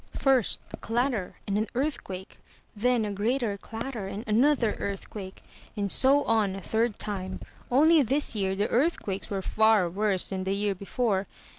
First a clatter and an earthquake, then a greater clatter and another earthquake, and so on a third time; only this year the earthquakes were far worse than the year before.